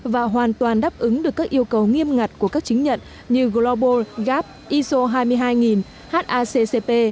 và hoàn toàn đáp ứng được các yêu cầu nghiêm ngặt của các chứng nhận như global gap iso hai mươi hai haccp